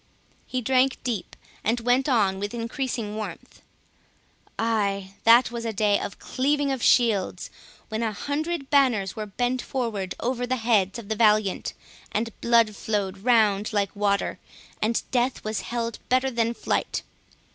He drank deep, and went on with increasing warmth. "Ay, that was a day of cleaving of shields, when a hundred banners were bent forwards over the heads of the valiant, and blood flowed round like water, and death was held better than flight.